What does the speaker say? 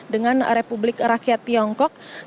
dengan republik rakyat tiongkok